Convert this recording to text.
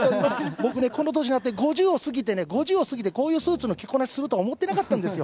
僕ね、この年になって、５０を過ぎてね、５０を過ぎてこういうスーツの着こなしすると思わなかったんですよ。